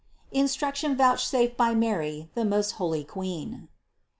INSTRUCTION VOUCHSAFED BY MARY THE MOST HOLY QUEEN.